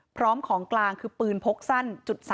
พร้อมของกลางคือปืนพกสั้น๓